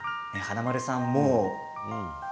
華丸さん